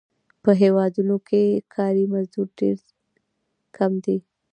په دې هېوادونو کې کاري مزد ډېر کم دی